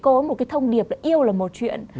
cô ấy một cái thông điệp là yêu là một chuyện